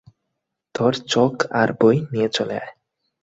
তোর চক আর বই নিয়ে চলে আয়।